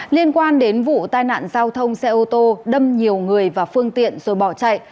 liên quan đến vụ tai nạn giao thông xe ô tô đâm nhiều người vào phương tiện rồi bỏ chạy